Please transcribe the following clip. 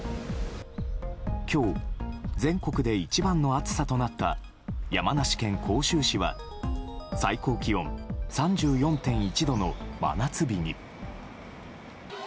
今日、全国で一番の暑さとなった山梨県甲州市は最高気温３４．１度の真夏日に。